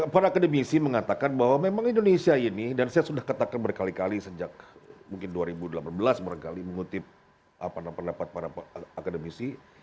para akademisi mengatakan bahwa memang indonesia ini dan saya sudah katakan berkali kali sejak mungkin dua ribu delapan belas barangkali mengutip pendapat para akademisi